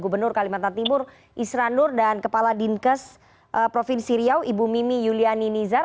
pak ciran nur dan kepala dinkes provinsi riau ibu mimi yuliani nizar